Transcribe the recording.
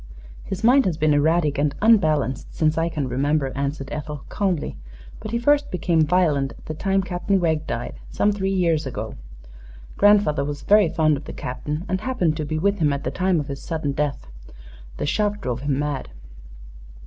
"His mind has been erratic and unbalanced since I can remember," answered Ethel, calmly, "but he first became violent at the time Captain Wegg died, some three years ago. Grandfather was very fond of the Captain, and happened to be with him at the time of his sudden death. The shock drove him mad."